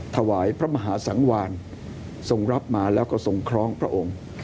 ถวายพระมหาสังวานทรงรับมาแล้วก็ทรงคล้องพระองค์